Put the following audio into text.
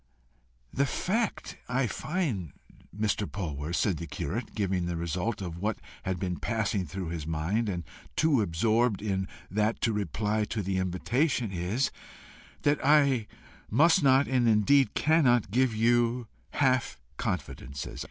"The fact, I find, Mr. Polwarth," said the curate, giving the result of what had been passing through his mind, and too absorbed in that to reply to the invitation, "is, that I must not, and indeed cannot give you half confidences.